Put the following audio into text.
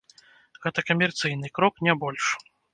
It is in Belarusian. Гэта камерцыйны крок, не больш.